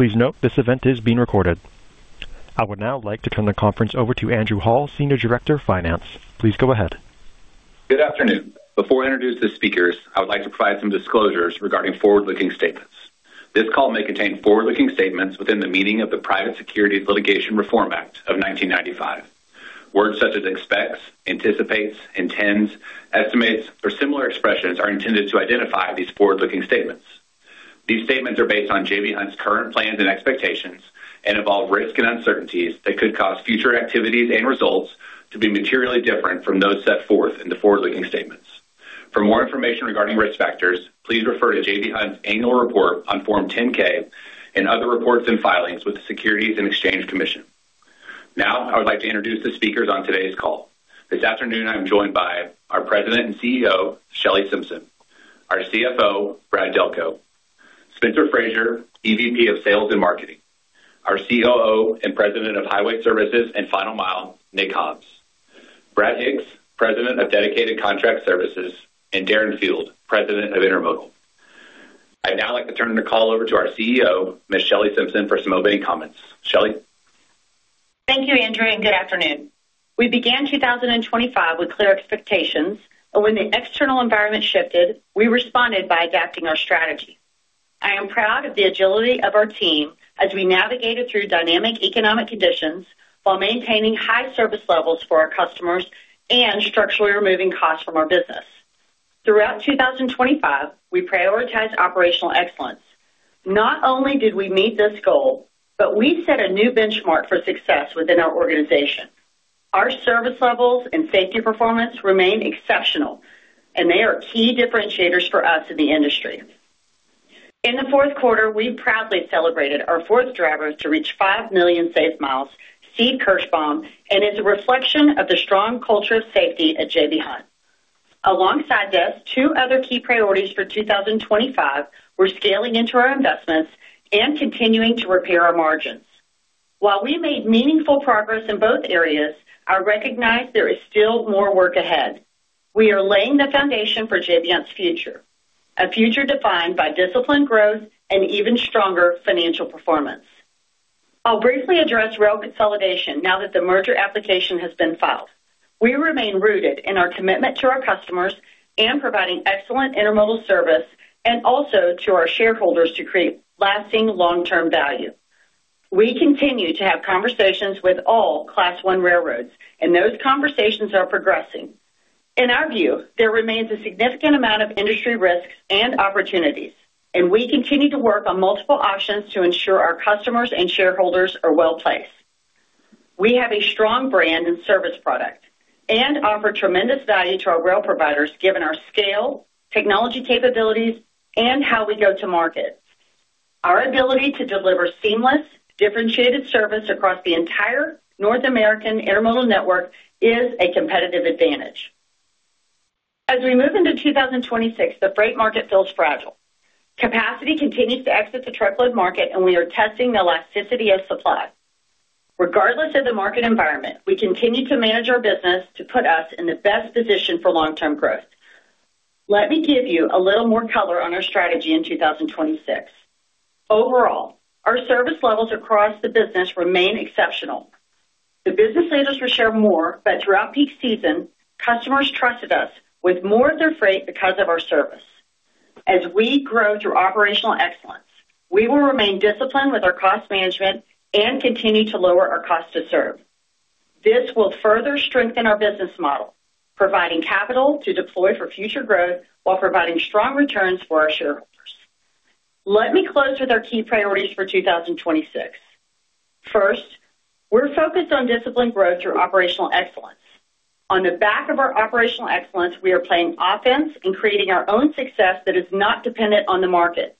Please note this event is being recorded. I would now like to turn the conference over to Andrew Hall, Senior Director of Finance. Please go ahead. Good afternoon. Before I introduce the speakers, I would like to provide some disclosures regarding forward-looking statements. This call may contain forward-looking statements within the meaning of the Private Securities Litigation Reform Act of 1995. Words such as expects, anticipates, intends, estimates, or similar expressions are intended to identify these forward-looking statements. These statements are based on J.B. Hunt's current plans and expectations and involve risk and uncertainties that could cause future activities and results to be materially different from those set forth in the forward-looking statements. For more information regarding risk factors, please refer to J.B. Hunt's annual report on Form 10-K and other reports and filings with the Securities and Exchange Commission. Now, I would like to introduce the speakers on today's call. This afternoon, I'm joined by our President and CEO, Shelley Simpson, our CFO, Brad Delco, Spencer Frazier, EVP of Sales and Marketing, our COO and President of Highway Services and Final Mile, Nick Hobbs, Brad Hicks, President of Dedicated Contract Services, and Darren Field, President of Intermodal. I'd now like to turn the call over to our CEO, Ms. Shelley Simpson, for some opening comments. Shelley. Thank you, Andrew, and good afternoon. We began 2025 with clear expectations, but when the external environment shifted, we responded by adapting our strategy. I am proud of the agility of our team as we navigated through dynamic economic conditions while maintaining high service levels for our customers and structurally removing costs from our business. Throughout 2025, we prioritized operational excellence. Not only did we meet this goal, but we set a new benchmark for success within our organization. Our service levels and safety performance remain exceptional, and they are key differentiators for us in the industry. In the fourth quarter, we proudly celebrated our fourth driver to reach 5 million safe miles, Sebert Kerschbaum, and it's a reflection of the strong culture of safety at J.B. Hunt. Alongside this, two other key priorities for 2025 were scaling into our investments and continuing to repair our margins. While we made meaningful progress in both areas, I recognize there is still more work ahead. We are laying the foundation for J.B. Hunt's future, a future defined by disciplined growth and even stronger financial performance. I'll briefly address rail consolidation now that the merger application has been filed. We remain rooted in our commitment to our customers and providing excellent intermodal service, and also to our shareholders to create lasting long-term value. We continue to have conversations with all Class 1 railroads, and those conversations are progressing. In our view, there remains a significant amount of industry risks and opportunities, and we continue to work on multiple options to ensure our customers and shareholders are well placed. We have a strong brand and service product and offer tremendous value to our rail providers given our scale, technology capabilities, and how we go to market. Our ability to deliver seamless, differentiated service across the entire North American intermodal network is a competitive advantage. As we move into 2026, the freight market feels fragile. Capacity continues to exit the truckload market, and we are testing the elasticity of supply. Regardless of the market environment, we continue to manage our business to put us in the best position for long-term growth. Let me give you a little more color on our strategy in 2026. Overall, our service levels across the business remain exceptional. The business leaders will share more, but throughout peak season, customers trusted us with more of their freight because of our service. As we grow through operational excellence, we will remain disciplined with our cost management and continue to lower our cost to serve. This will further strengthen our business model, providing capital to deploy for future growth while providing strong returns for our shareholders. Let me close with our key priorities for 2026. First, we're focused on disciplined growth through operational excellence. On the back of our operational excellence, we are playing offense and creating our own success that is not dependent on the market.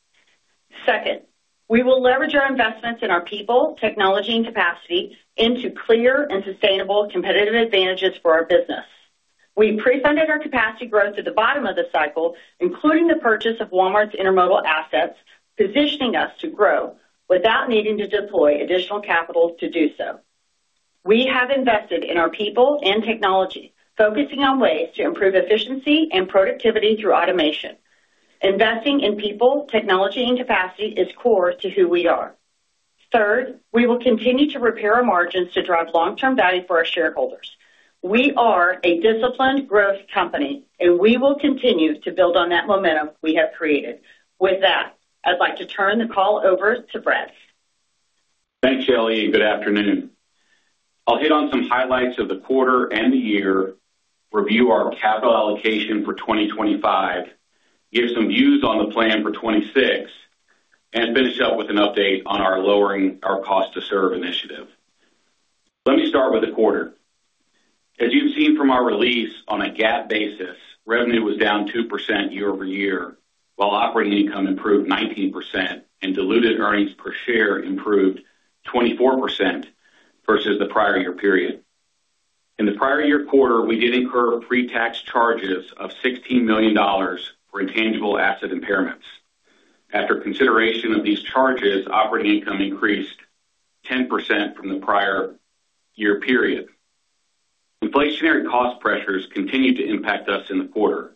Second, we will leverage our investments in our people, technology, and capacity into clear and sustainable competitive advantages for our business. We pre-funded our capacity growth at the bottom of the cycle, including the purchase of Walmart's intermodal assets, positioning us to grow without needing to deploy additional capital to do so. We have invested in our people and technology, focusing on ways to improve efficiency and productivity through automation. Investing in people, technology, and capacity is core to who we are. Third, we will continue to repair our margins to drive long-term value for our shareholders. We are a disciplined growth company, and we will continue to build on that momentum we have created. With that, I'd like to turn the call over to Brad. Thanks, Shelley. Good afternoon. I'll hit on some highlights of the quarter and the year, review our capital allocation for 2025, give some views on the plan for 2026, and finish up with an update on lowering our cost to serve initiative. Let me start with the quarter. As you've seen from our release, on a GAAP basis, revenue was down 2% year over year, while operating income improved 19%, and diluted earnings per share improved 24% versus the prior year period. In the prior year quarter, we did incur pre-tax charges of $16 million for intangible asset impairments. After consideration of these charges, operating income increased 10% from the prior year period. Inflationary cost pressures continued to impact us in the quarter,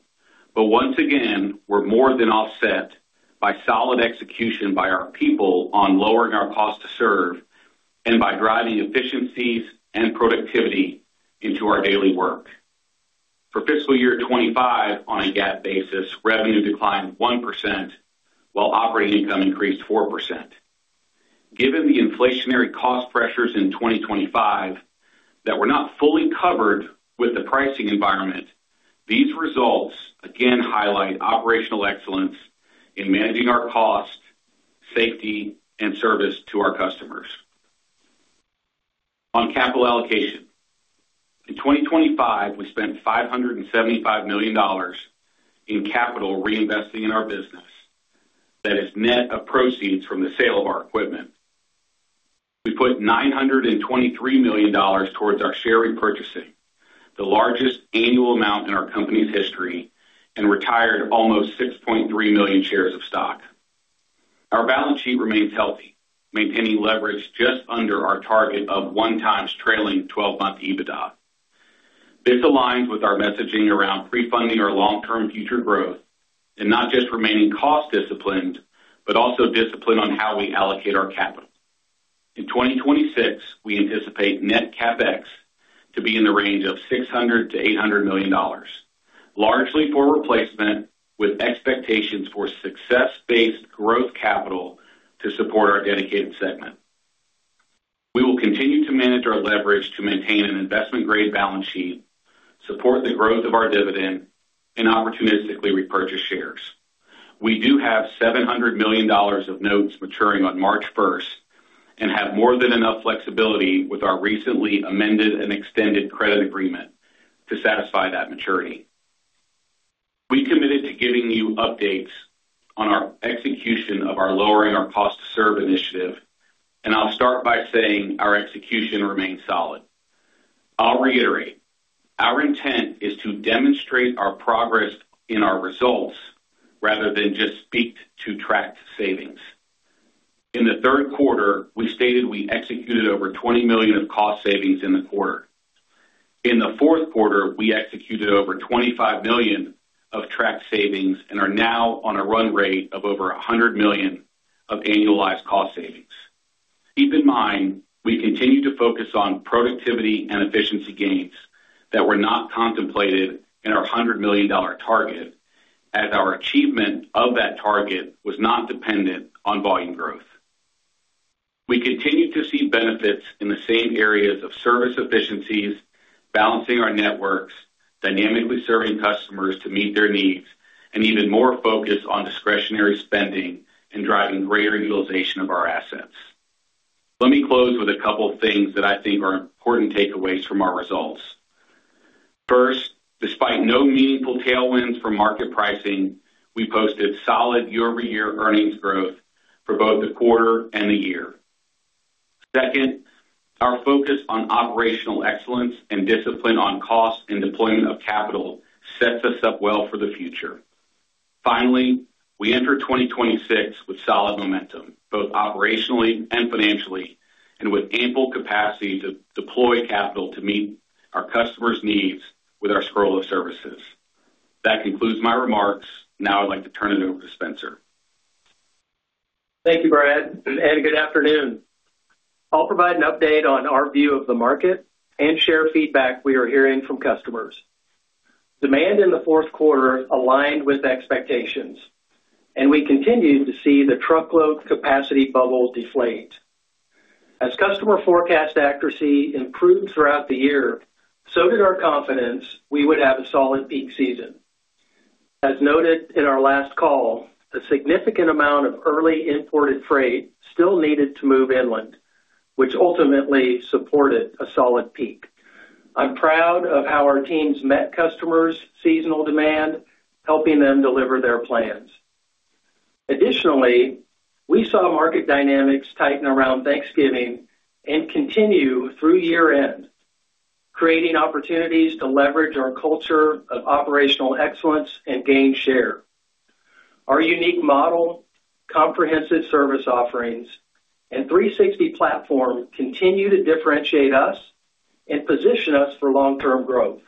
but once again, we're more than offset by solid execution by our people on lowering our cost to serve and by driving efficiencies and productivity into our daily work. For fiscal year 2025, on a GAAP basis, revenue declined 1%, while operating income increased 4%. Given the inflationary cost pressures in 2025 that were not fully covered with the pricing environment, these results again highlight operational excellence in managing our cost, safety, and service to our customers. On capital allocation, in 2025, we spent $575 million in capital reinvesting in our business. That is net of proceeds from the sale of our equipment. We put $923 million towards our share repurchasing, the largest annual amount in our company's history, and retired almost 6.3 million shares of stock. Our balance sheet remains healthy, maintaining leverage just under our target of one times trailing 12-month EBITDA. This aligns with our messaging around pre-funding our long-term future growth and not just remaining cost-disciplined, but also disciplined on how we allocate our capital. In 2026, we anticipate net CapEx to be in the range of $600-$800 million, largely for replacement with expectations for success-based growth capital to support our dedicated segment. We will continue to manage our leverage to maintain an investment-grade balance sheet, support the growth of our dividend, and opportunistically repurchase shares. We do have $700 million of notes maturing on March 1st and have more than enough flexibility with our recently amended and extended credit agreement to satisfy that maturity. We committed to giving you updates on our execution of our lowering our cost-to-serve initiative, and I'll start by saying our execution remains solid. I'll reiterate. Our intent is to demonstrate our progress in our results rather than just speak to tracked savings. In the third quarter, we stated we executed over $20 million of cost savings in the quarter. In the fourth quarter, we executed over $25 million of tracked savings and are now on a run rate of over $100 million of annualized cost savings. Keep in mind, we continue to focus on productivity and efficiency gains that were not contemplated in our $100 million target, as our achievement of that target was not dependent on volume growth. We continue to see benefits in the same areas of service efficiencies, balancing our networks, dynamically serving customers to meet their needs, and even more focus on discretionary spending and driving greater utilization of our assets. Let me close with a couple of things that I think are important takeaways from our results. First, despite no meaningful tailwinds for market pricing, we posted solid year-over-year earnings growth for both the quarter and the year. Second, our focus on operational excellence and discipline on cost and deployment of capital sets us up well for the future. Finally, we enter 2026 with solid momentum, both operationally and financially, and with ample capacity to deploy capital to meet our customers' needs with our suite of services. That concludes my remarks. Now, I'd like to turn it over to Spencer. Thank you, Brad, and good afternoon. I'll provide an update on our view of the market and share feedback we are hearing from customers. Demand in the fourth quarter aligned with expectations, and we continued to see the truckload capacity bubble deflate. As customer forecast accuracy improved throughout the year, so did our confidence we would have a solid peak season. As noted in our last call, a significant amount of early imported freight still needed to move inland, which ultimately supported a solid peak. I'm proud of how our teams met customers' seasonal demand, helping them deliver their plans. Additionally, we saw market dynamics tighten around Thanksgiving and continue through year-end, creating opportunities to leverage our culture of operational excellence and gain share. Our unique model, comprehensive service offerings, and 360 platform continue to differentiate us and position us for long-term growth.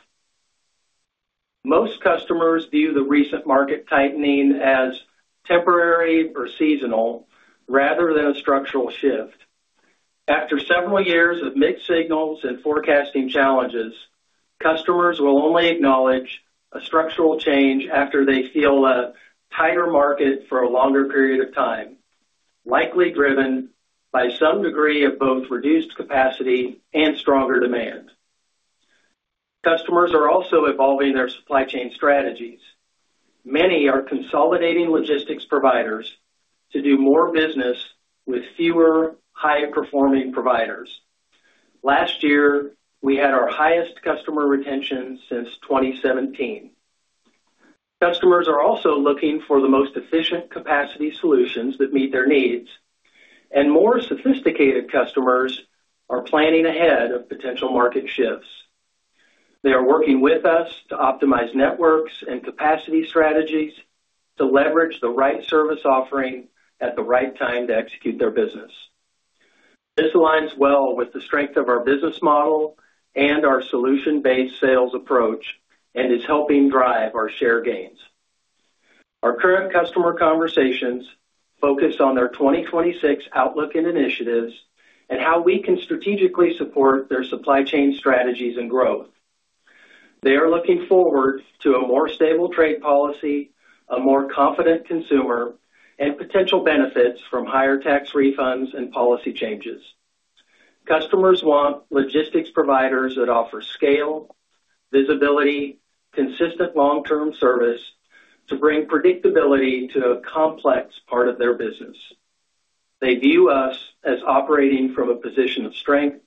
Most customers view the recent market tightening as temporary or seasonal rather than a structural shift. After several years of mixed signals and forecasting challenges, customers will only acknowledge a structural change after they feel a tighter market for a longer period of time, likely driven by some degree of both reduced capacity and stronger demand. Customers are also evolving their supply chain strategies. Many are consolidating logistics providers to do more business with fewer high-performing providers. Last year, we had our highest customer retention since 2017. Customers are also looking for the most efficient capacity solutions that meet their needs, and more sophisticated customers are planning ahead of potential market shifts. They are working with us to optimize networks and capacity strategies to leverage the right service offering at the right time to execute their business. This aligns well with the strength of our business model and our solution-based sales approach and is helping drive our share gains. Our current customer conversations focus on their 2026 outlook and initiatives and how we can strategically support their supply chain strategies and growth. They are looking forward to a more stable trade policy, a more confident consumer, and potential benefits from higher tax refunds and policy changes. Customers want logistics providers that offer scale, visibility, consistent long-term service to bring predictability to a complex part of their business. They view us as operating from a position of strength,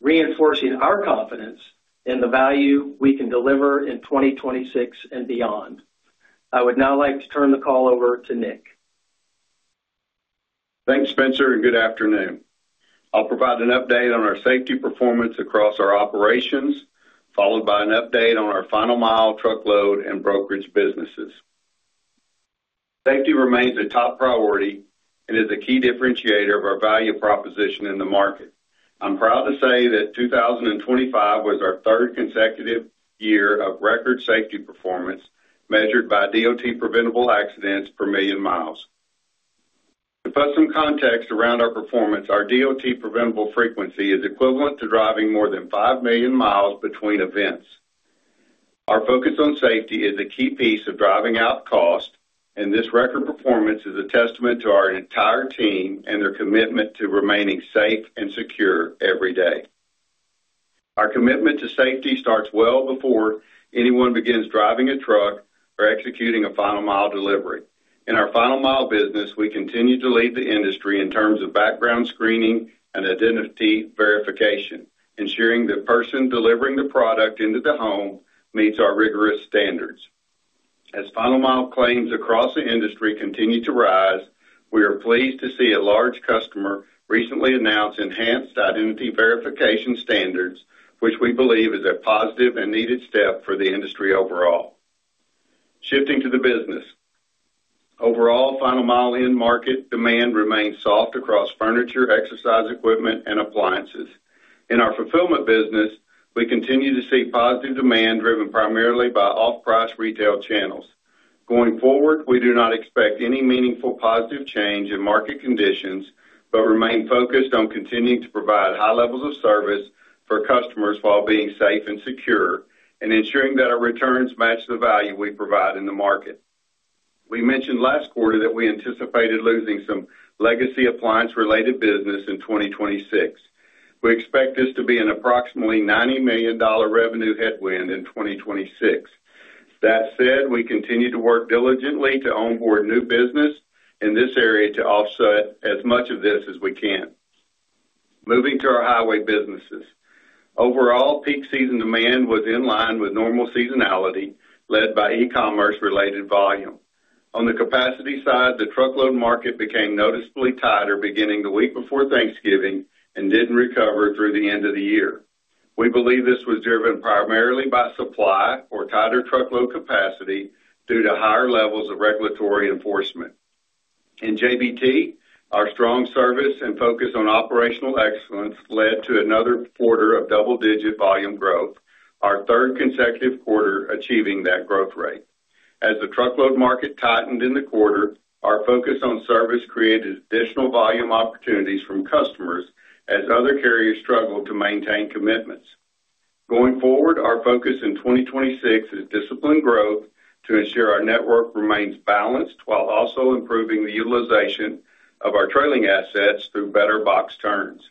reinforcing our confidence in the value we can deliver in 2026 and beyond. I would now like to turn the call over to Nick. Thanks, Spencer, and good afternoon. I'll provide an update on our safety performance across our operations, followed by an update on our final mile truckload and brokerage businesses. Safety remains a top priority and is a key differentiator of our value proposition in the market. I'm proud to say that 2025 was our third consecutive year of record safety performance measured by DOT preventable accidents per million miles. To put some context around our performance, our DOT preventable frequency is equivalent to driving more than five million miles between events. Our focus on safety is a key piece of driving out cost, and this record performance is a testament to our entire team and their commitment to remaining safe and secure every day. Our commitment to safety starts well before anyone begins driving a truck or executing a final mile delivery. In our final mile business, we continue to lead the industry in terms of background screening and identity verification, ensuring the person delivering the product into the home meets our rigorous standards. As final mile claims across the industry continue to rise, we are pleased to see a large customer recently announce enhanced identity verification standards, which we believe is a positive and needed step for the industry overall. Shifting to the business. Overall, final mile in market demand remains soft across furniture, exercise equipment, and appliances. In our fulfillment business, we continue to see positive demand driven primarily by off-price retail channels. Going forward, we do not expect any meaningful positive change in market conditions, but remain focused on continuing to provide high levels of service for customers while being safe and secure and ensuring that our returns match the value we provide in the market. We mentioned last quarter that we anticipated losing some legacy appliance-related business in 2026. We expect this to be an approximately $90 million revenue headwind in 2026. That said, we continue to work diligently to onboard new business in this area to offset as much of this as we can. Moving to our highway businesses. Overall, peak season demand was in line with normal seasonality led by e-commerce-related volume. On the capacity side, the truckload market became noticeably tighter beginning the week before Thanksgiving and didn't recover through the end of the year. We believe this was driven primarily by supply or tighter truckload capacity due to higher levels of regulatory enforcement. In JBT, our strong service and focus on operational excellence led to another quarter of double-digit volume growth, our third consecutive quarter achieving that growth rate. As the truckload market tightened in the quarter, our focus on service created additional volume opportunities from customers as other carriers struggled to maintain commitments. Going forward, our focus in 2026 is disciplined growth to ensure our network remains balanced while also improving the utilization of our trailing assets through better box turns.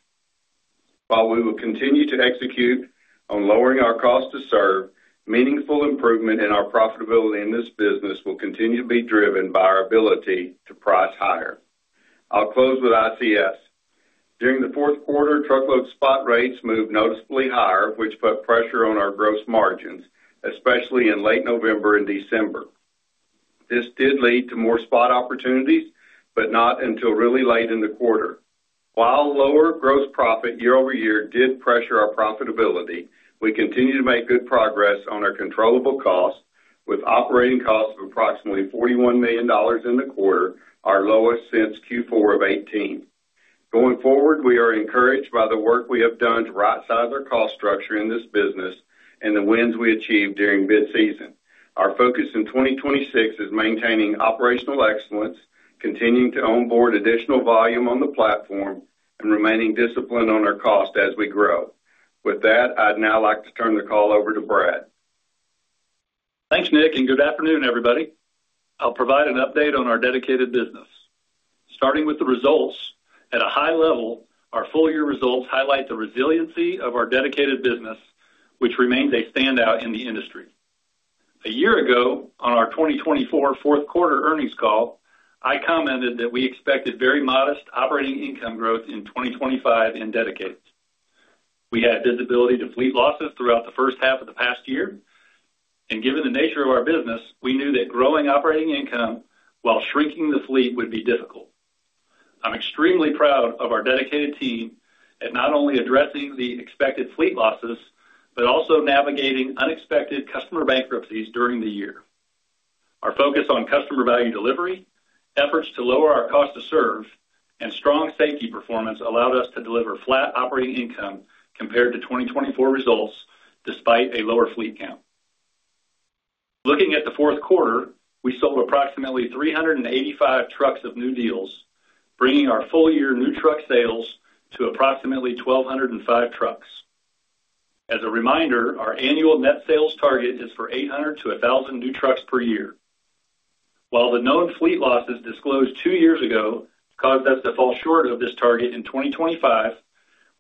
While we will continue to execute on lowering our cost to serve, meaningful improvement in our profitability in this business will continue to be driven by our ability to price higher. I'll close with ICS. During the fourth quarter, truckload spot rates moved noticeably higher, which put pressure on our gross margins, especially in late November and December. This did lead to more spot opportunities, but not until really late in the quarter. While lower gross profit year-over-year did pressure our profitability, we continue to make good progress on our controllable costs with operating costs of approximately $41 million in the quarter, our lowest since Q4 of 2018. Going forward, we are encouraged by the work we have done to right-size our cost structure in this business and the wins we achieved during mid-season. Our focus in 2026 is maintaining operational excellence, continuing to onboard additional volume on the platform, and remaining disciplined on our cost as we grow. With that, I'd now like to turn the call over to Brad. Thanks, Nick, and good afternoon, everybody. I'll provide an update on our dedicated business. Starting with the results, at a high level, our full-year results highlight the resiliency of our dedicated business, which remains a standout in the industry. A year ago, on our 2024 fourth quarter earnings call, I commented that we expected very modest operating income growth in 2025 in dedicated. We had visibility to fleet losses throughout the first half of the past year, and given the nature of our business, we knew that growing operating income while shrinking the fleet would be difficult. I'm extremely proud of our dedicated team at not only addressing the expected fleet losses, but also navigating unexpected customer bankruptcies during the year. Our focus on customer value delivery, efforts to lower our cost to serve, and strong safety performance allowed us to deliver flat operating income compared to 2024 results despite a lower fleet count. Looking at the fourth quarter, we sold approximately 385 trucks of new deals, bringing our full-year new truck sales to approximately 1,205 trucks. As a reminder, our annual net sales target is for 800-1,000 new trucks per year. While the known fleet losses disclosed two years ago caused us to fall short of this target in 2025,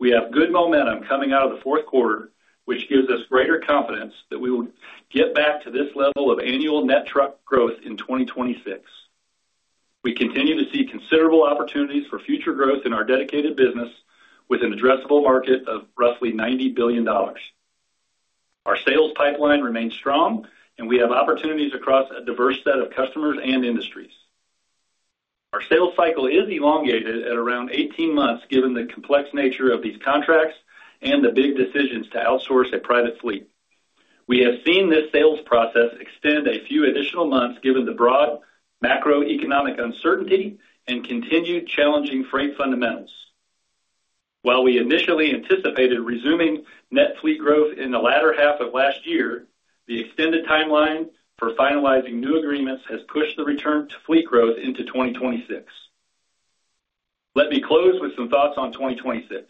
we have good momentum coming out of the fourth quarter, which gives us greater confidence that we will get back to this level of annual net truck growth in 2026. We continue to see considerable opportunities for future growth in our dedicated business with an addressable market of roughly $90 billion. Our sales pipeline remains strong, and we have opportunities across a diverse set of customers and industries. Our sales cycle is elongated at around 18 months given the complex nature of these contracts and the big decisions to outsource a private fleet. We have seen this sales process extend a few additional months given the broad macroeconomic uncertainty and continued challenging freight fundamentals. While we initially anticipated resuming net fleet growth in the latter half of last year, the extended timeline for finalizing new agreements has pushed the return to fleet growth into 2026. Let me close with some thoughts on 2026.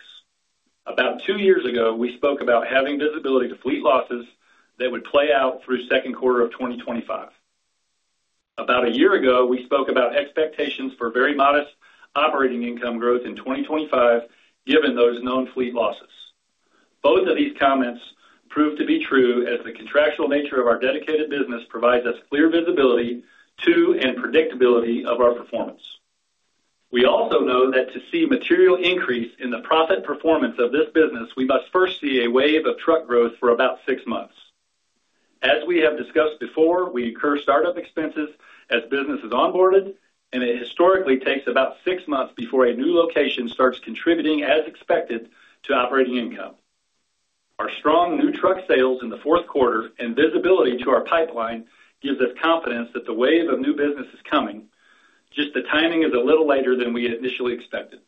About two years ago, we spoke about having visibility to fleet losses that would play out through second quarter of 2025. About a year ago, we spoke about expectations for very modest operating income growth in 2025 given those known fleet losses. Both of these comments prove to be true as the contractual nature of our dedicated business provides us clear visibility to and predictability of our performance. We also know that to see material increase in the profit performance of this business, we must first see a wave of truck growth for about six months. As we have discussed before, we incur startup expenses as business is onboarded, and it historically takes about six months before a new location starts contributing as expected to operating income. Our strong new truck sales in the fourth quarter and visibility to our pipeline gives us confidence that the wave of new business is coming, just the timing is a little later than we initially expected.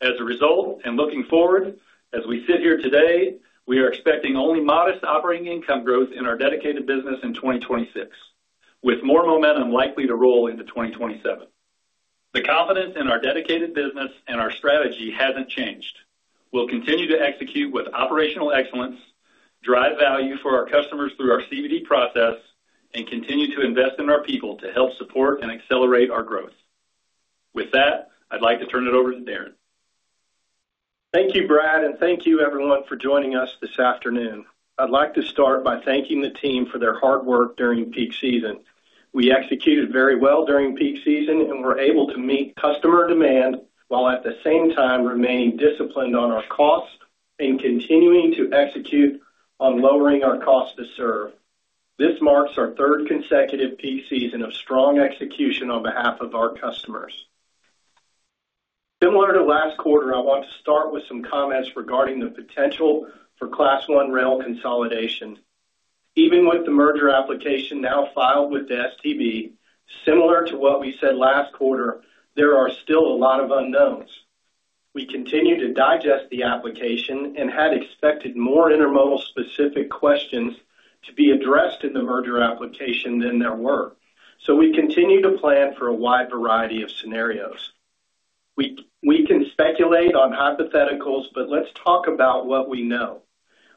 As a result, and looking forward, as we sit here today, we are expecting only modest operating income growth in our dedicated business in 2026, with more momentum likely to roll into 2027. The confidence in our dedicated business and our strategy hasn't changed. We'll continue to execute with operational excellence, drive value for our customers through our CVD process, and continue to invest in our people to help support and accelerate our growth. With that, I'd like to turn it over to Darren. Thank you, Brad, and thank you, everyone, for joining us this afternoon. I'd like to start by thanking the team for their hard work during peak season. We executed very well during peak season and were able to meet customer demand while at the same time remaining disciplined on our costs and continuing to execute on lowering our cost to serve. This marks our third consecutive peak season of strong execution on behalf of our customers. Similar to last quarter, I want to start with some comments regarding the potential for Class 1 rail consolidation. Even with the merger application now filed with the STB, similar to what we said last quarter, there are still a lot of unknowns. We continue to digest the application and had expected more intermodal specific questions to be addressed in the merger application than there were. So we continue to plan for a wide variety of scenarios. We can speculate on hypotheticals, but let's talk about what we know.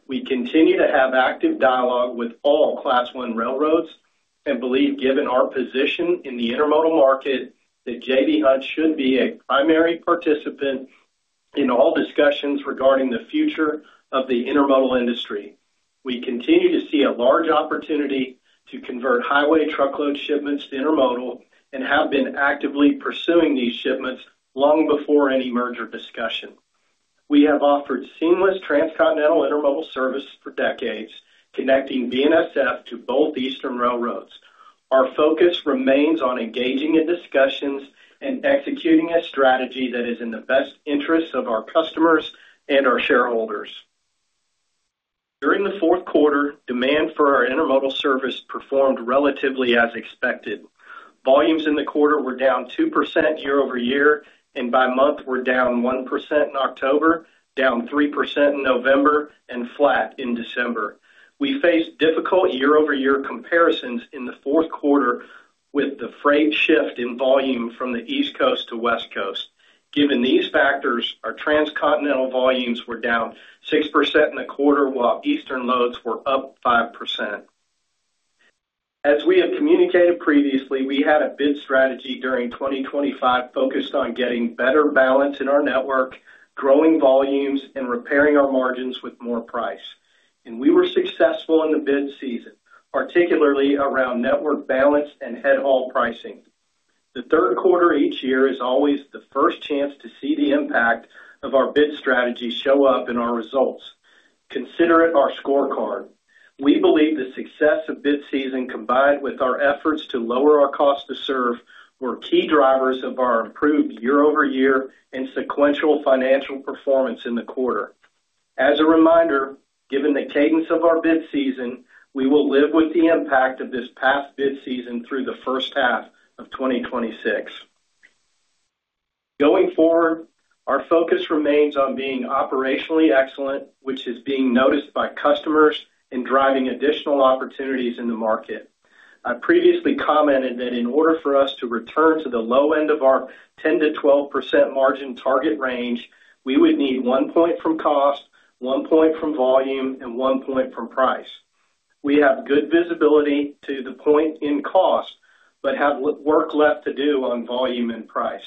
We continue to have active dialogue with all Class 1 railroads and believe, given our position in the intermodal market, that J.B. Hunt should be a primary participant in all discussions regarding the future of the intermodal industry. We continue to see a large opportunity to convert highway truckload shipments to intermodal and have been actively pursuing these shipments long before any merger discussion. We have offered seamless transcontinental intermodal service for decades, connecting BNSF to both eastern railroads. Our focus remains on engaging in discussions and executing a strategy that is in the best interests of our customers and our shareholders. During the fourth quarter, demand for our intermodal service performed relatively as expected. Volumes in the quarter were down 2% year-over-year, and by month, we're down 1% in October, down 3% in November, and flat in December. We faced difficult year-over-year comparisons in the fourth quarter with the freight shift in volume from the East Coast to West Coast. Given these factors, our transcontinental volumes were down 6% in the quarter, while eastern loads were up 5%. As we have communicated previously, we had a bid strategy during 2025 focused on getting better balance in our network, growing volumes, and repairing our margins with more price. And we were successful in the bid season, particularly around network balance and head haul pricing. The third quarter each year is always the first chance to see the impact of our bid strategy show up in our results. Consider it our scorecard. We believe the success of bid season combined with our efforts to lower our cost to serve were key drivers of our improved year-over-year and sequential financial performance in the quarter. As a reminder, given the cadence of our bid season, we will live with the impact of this past bid season through the first half of 2026. Going forward, our focus remains on being operationally excellent, which is being noticed by customers and driving additional opportunities in the market. I previously commented that in order for us to return to the low end of our 10%-12% margin target range, we would need one point from cost, one point from volume, and one point from price. We have good visibility to the point in cost, but have work left to do on volume and price.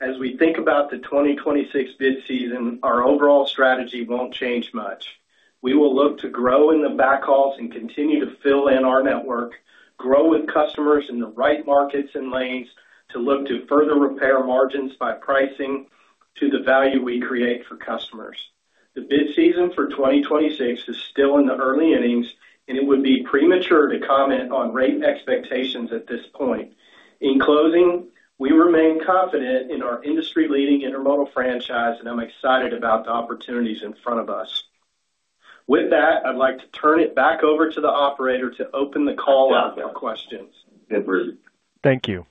As we think about the 2026 bid season, our overall strategy won't change much. We will look to grow in the backhauls and continue to fill in our network, grow with customers in the right markets and lanes to look to further repair margins by pricing to the value we create for customers. The bid season for 2026 is still in the early innings, and it would be premature to comment on rate expectations at this point. In closing, we remain confident in our industry-leading intermodal franchise, and I'm excited about the opportunities in front of us. With that, I'd like to turn it back over to the operator to open the call up for questions. Thank you.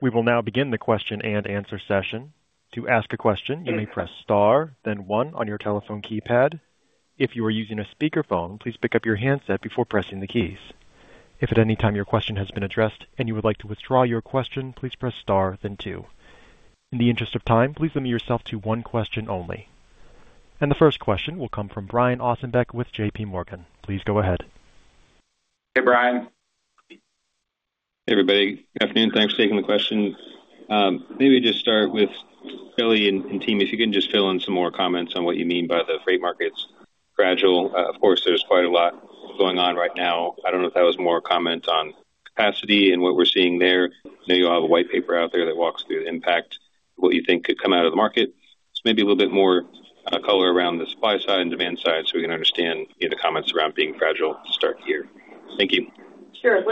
We will now begin the question and answer session. To ask a question, you may press star, then one on your telephone keypad. If you are using a speakerphone, please pick up your handset before pressing the keys. If at any time your question has been addressed and you would like to withdraw your question, please press star, then two. In the interest of time, please limit yourself to one question only, and the first question will come from Brian Ossenbeck with J.P. Morgan. Please go ahead. Hey, Brian. Hey, everybody. Good afternoon. Thanks for taking the question. Maybe just start with Shelley and team. If you can just fill in some more comments on what you mean by the freight market's fragile. Of course, there's quite a lot going on right now. I don't know if that was more comment on capacity and what we're seeing there. I know you'll have a white paper out there that walks through the impact of what you think could come out of the market. So maybe a little bit more color around the supply side and demand side so we can understand the comments around being fragile to start here. Thank you. Sure.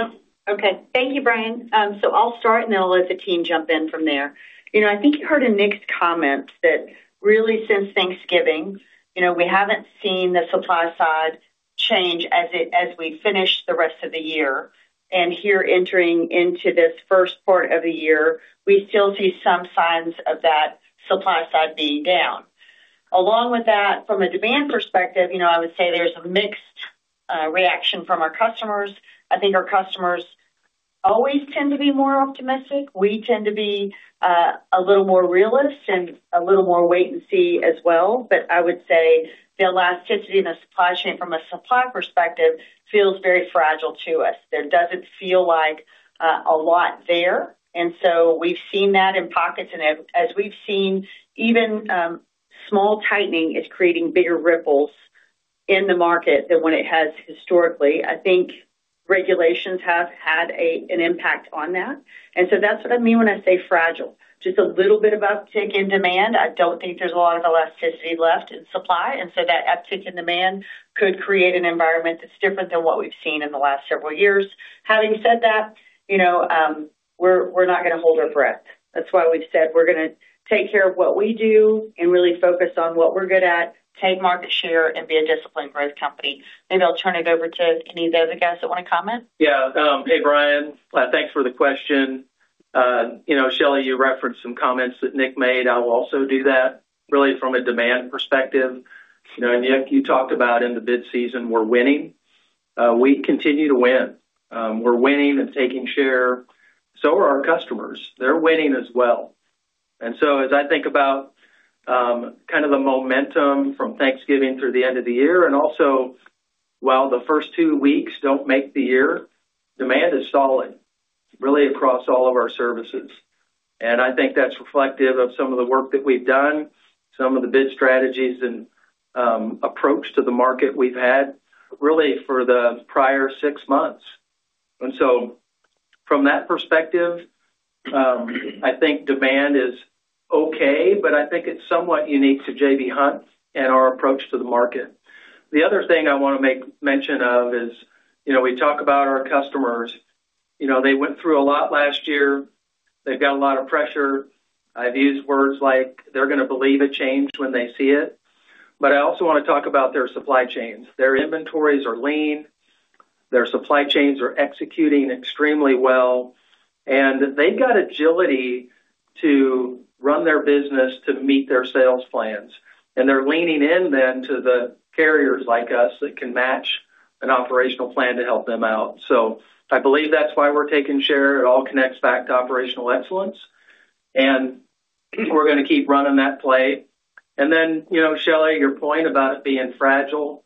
Okay. Thank you, Brian. So I'll start, and then I'll let the team jump in from there. I think you heard in Nick's comment that really since Thanksgiving, we haven't seen the supply side change as we finish the rest of the year. And here, entering into this first quarter of the year, we still see some signs of that supply side being down. Along with that, from a demand perspective, I would say there's a mixed reaction from our customers. I think our customers always tend to be more optimistic. We tend to be a little more realistic and a little more wait and see as well. But I would say the elasticity in the supply chain from a supply perspective feels very fragile to us. There doesn't feel like a lot there. And so we've seen that in pockets. And as we've seen, even small tightening is creating bigger ripples in the market than what it has historically. I think regulations have had an impact on that. And so that's what I mean when I say fragile. Just a little bit of uptick in demand. I don't think there's a lot of elasticity left in supply. And so that uptick in demand could create an environment that's different than what we've seen in the last several years. Having said that, we're not going to hold our breath. That's why we've said we're going to take care of what we do and really focus on what we're good at, take market share, and be a disciplined growth company. Maybe I'll turn it over to any of the other guys that want to comment. Yeah. Hey, Brian. Thanks for the question. Shelley, you referenced some comments that Nick made. I'll also do that, really from a demand perspective. And you talked about in the bid season, we're winning. We continue to win. We're winning and taking share. So are our customers. They're winning as well. And so as I think about kind of the momentum from Thanksgiving through the end of the year, and also, while the first two weeks don't make the year, demand is solid, really across all of our services. And I think that's reflective of some of the work that we've done, some of the bid strategies and approach to the market we've had, really for the prior six months. And so from that perspective, I think demand is okay, but I think it's somewhat unique to J.B. Hunt and our approach to the market. The other thing I want to make mention of is we talk about our customers. They went through a lot last year. They've got a lot of pressure. I've used words like they're going to believe a change when they see it. But I also want to talk about their supply chains. Their inventories are lean. Their supply chains are executing extremely well. And they've got agility to run their business to meet their sales plans. And they're leaning in then to the carriers like us that can match an operational plan to help them out. So I believe that's why we're taking share. It all connects back to operational excellence. And we're going to keep running that play. And then, Shelley, your point about it being fragile.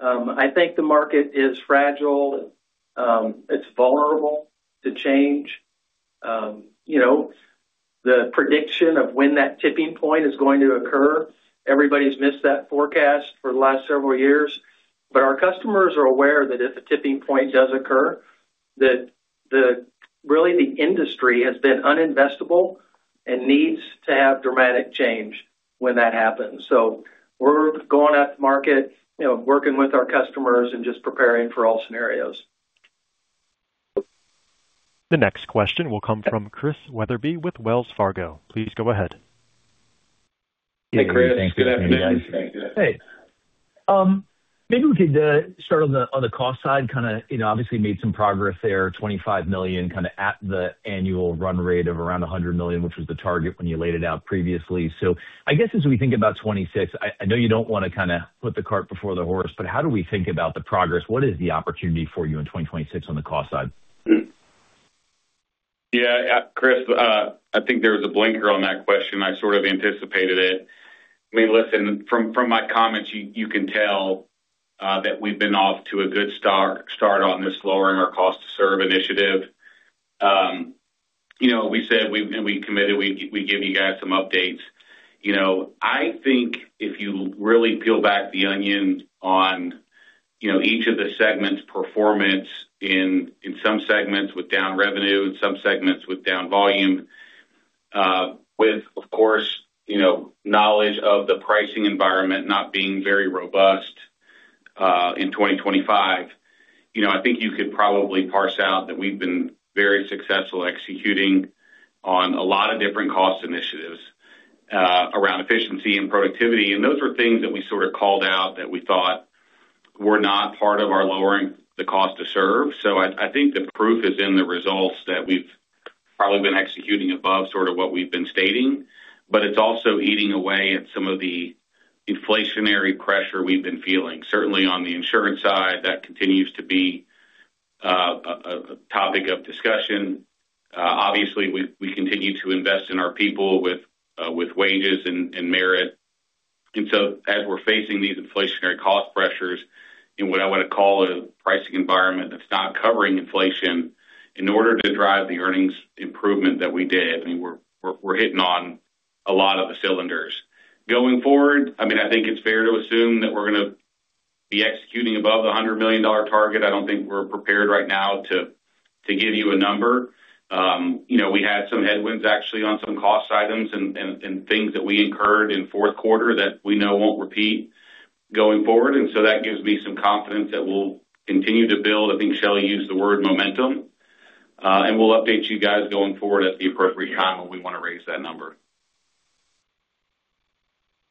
I think the market is fragile. It's vulnerable to change. The prediction of when that tipping point is going to occur, everybody's missed that forecast for the last several years, but our customers are aware that if a tipping point does occur, that really the industry has been uninvestable and needs to have dramatic change when that happens, so we're going out to market, working with our customers, and just preparing for all scenarios. The next question will come from Chris Wetherbee with Wells Fargo. Please go ahead. Hey, Chris. Good afternoon. Hey. Maybe we could start on the cost side. Kind of obviously made some progress there, $25 million, kind of at the annual run rate of around $100 million, which was the target when you laid it out previously. So I guess as we think about 2026, I know you don't want to kind of put the cart before the horse, but how do we think about the progress? What is the opportunity for you in 2026 on the cost side? Yeah. Chris, I think there was a blinker on that question. I sort of anticipated it. I mean, listen, from my comments, you can tell that we've been off to a good start on this lowering our cost to serve initiative. We said and we committed. We give you guys some updates. I think if you really peel back the onion on each of the segments' performance in some segments with down revenue, in some segments with down volume, with, of course, knowledge of the pricing environment not being very robust in 2025, I think you could probably parse out that we've been very successful executing on a lot of different cost initiatives around efficiency and productivity, and those were things that we sort of called out that we thought were not part of our lowering the cost to serve. So I think the proof is in the results that we've probably been executing above sort of what we've been stating. But it's also eating away at some of the inflationary pressure we've been feeling. Certainly on the insurance side, that continues to be a topic of discussion. Obviously, we continue to invest in our people with wages and merit. And so as we're facing these inflationary cost pressures in what I want to call a pricing environment that's not covering inflation, in order to drive the earnings improvement that we did, I mean, we're hitting on a lot of the cylinders. Going forward, I mean, I think it's fair to assume that we're going to be executing above the $100 million target. I don't think we're prepared right now to give you a number. We had some headwinds actually on some cost items and things that we incurred in fourth quarter that we know won't repeat going forward, and so that gives me some confidence that we'll continue to build. I think Shelley used the word momentum, and we'll update you guys going forward at the appropriate time when we want to raise that number.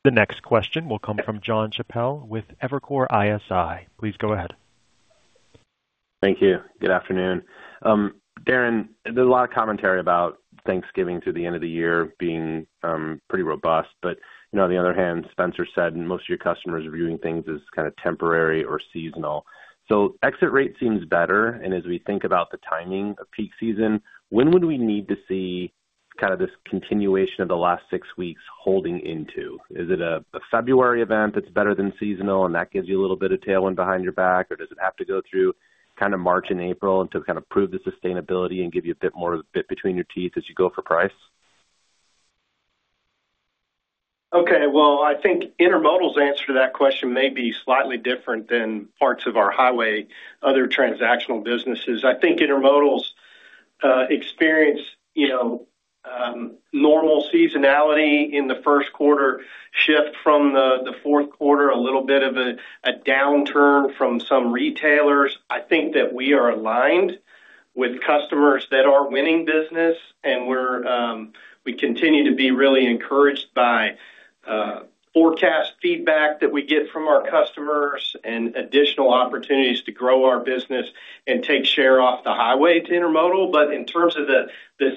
The next question will come from Jon Chappell with Evercore ISI. Please go ahead. Thank you. Good afternoon. Darren, there's a lot of commentary about Thanksgiving to the end of the year being pretty robust, but on the other hand, Spencer said most of your customers are viewing things as kind of temporary or seasonal, so exit rate seems better, and as we think about the timing of peak season, when would we need to see kind of this continuation of the last six weeks holding into? Is it a February event that's better than seasonal and that gives you a little bit of tailwind behind your back? Or does it have to go through kind of March and April to kind of prove the sustainability and give you a bit more of a bit between your teeth as you go for price? Okay. Well, I think Intermodal's answer to that question may be slightly different than parts of our highway other transactional businesses. I think Intermodal's experience normal seasonality in the first quarter shift from the fourth quarter, a little bit of a downturn from some retailers. I think that we are aligned with customers that are winning business. And we continue to be really encouraged by forecast feedback that we get from our customers and additional opportunities to grow our business and take share off the highway to Intermodal. But in terms of the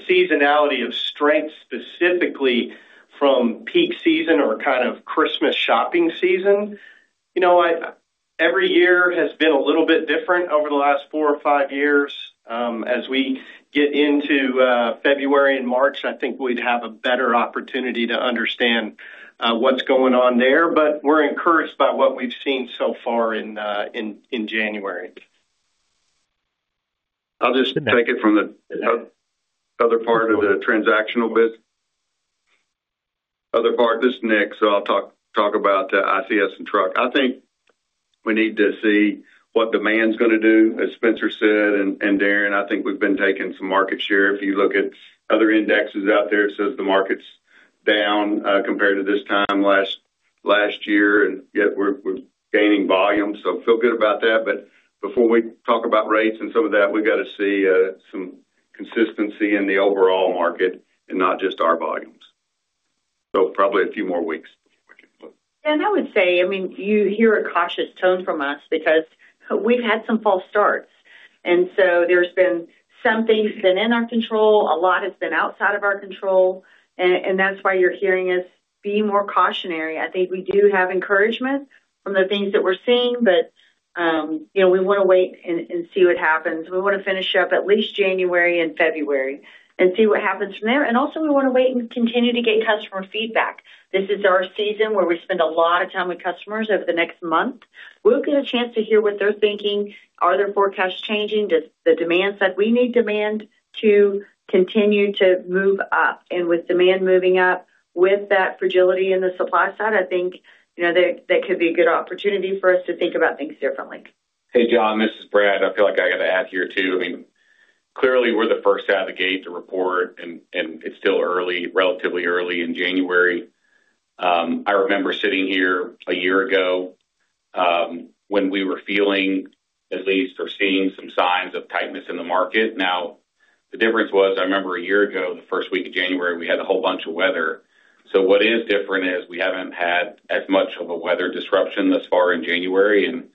seasonality of strength specifically from peak season or kind of Christmas shopping season, every year has been a little bit different over the last four or five years. As we get into February and March, I think we'd have a better opportunity to understand what's going on there. But we're encouraged by what we've seen so far in January. I'll just take it from the other part of the transactional bid. Other part, this is Nick, so I'll talk about ICS and truck. I think we need to see what demand's going to do, as Spencer said, and Darren, I think we've been taking some market share. If you look at other indexes out there, it says the market's down compared to this time last year, and yet we're gaining volume, so feel good about that. But before we talk about rates and some of that, we've got to see some consistency in the overall market and not just our volumes, so probably a few more weeks before we can look. Yeah, and I would say, I mean, you hear a cautious tone from us because we've had some false starts. And so there's been some things that have been in our control. A lot has been outside of our control. And that's why you're hearing us be more cautionary. I think we do have encouragement from the things that we're seeing, but we want to wait and see what happens. We want to finish up at least January and February and see what happens from there. And also, we want to wait and continue to get customer feedback. This is our season where we spend a lot of time with customers over the next month. We'll get a chance to hear what they're thinking. Are their forecasts changing? Does the demand side, we need demand to continue to move up. With demand moving up, with that fragility in the supply side, I think that could be a good opportunity for us to think about things differently. Hey, John, this is Brad. I feel like I got to add here too. I mean, clearly, we're the first out of the gate to report, and it's still early, relatively early in January. I remember sitting here a year ago when we were feeling, at least, or seeing some signs of tightness in the market. Now, the difference was, I remember a year ago, the first week of January, we had a whole bunch of weather. So what is different is we haven't had as much of a weather disruption thus far in January, and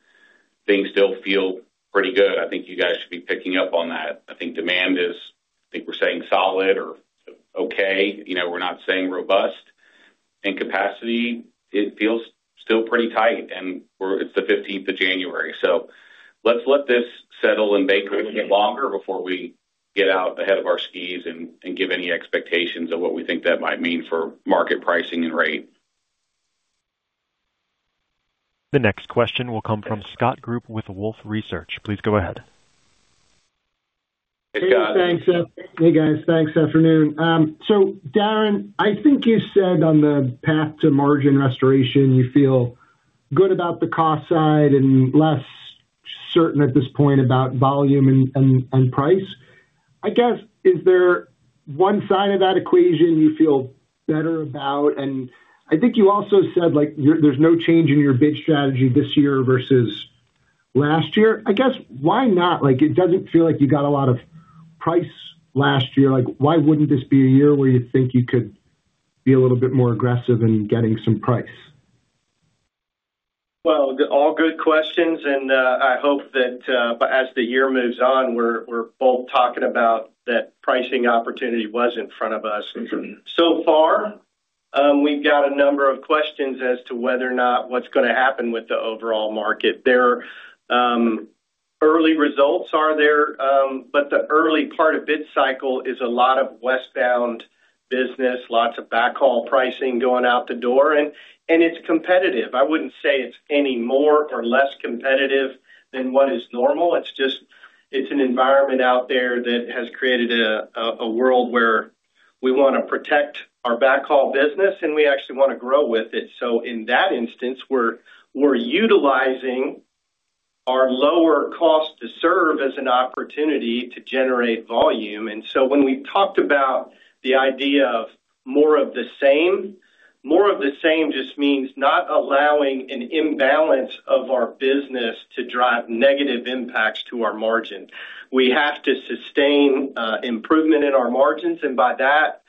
things still feel pretty good. I think you guys should be picking up on that. I think demand is, I think we're saying solid or okay. We're not saying robust. And capacity, it feels still pretty tight. And it's the 15th of January. So let's let this settle and bake a little bit longer before we get out ahead of our skis and give any expectations of what we think that might mean for market pricing and rate. The next question will come from Scott Group with Wolfe Research. Please go ahead. Hey, Scott. Hey, thanks, Jeff. Hey, guys. Thanks, afternoon. So, Darren, I think you said on the path to margin restoration, you feel good about the cost side and less certain at this point about volume and price. I guess, is there one side of that equation you feel better about? And I think you also said there's no change in your bid strategy this year versus last year. I guess, why not? It doesn't feel like you got a lot of price last year. Why wouldn't this be a year where you think you could be a little bit more aggressive in getting some price? All good questions. I hope that as the year moves on, we're both talking about that pricing opportunity was in front of us. So far, we've got a number of questions as to whether or not what's going to happen with the overall market. There early results are there, but the early part of bid season is a lot of westbound business, lots of backhaul pricing going out the door. It's competitive. I wouldn't say it's any more or less competitive than what is normal. It's just an environment out there that has created a world where we want to protect our backhaul business, and we actually want to grow with it. In that instance, we're utilizing our lower cost to serve as an opportunity to generate volume. When we talked about the idea of more of the same, more of the same just means not allowing an imbalance of our business to drive negative impacts to our margin. We have to sustain improvement in our margins. By that,